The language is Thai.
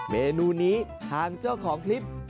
เมนูนี้ทางเจ้าของภิเป็น